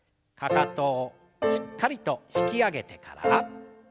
かかとをしっかりと引き上げてから。